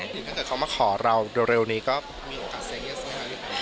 ถ้าเขามาขอเราเร็วนี้ก็มีโอกาสเซ็งเยอะหรือเปล่า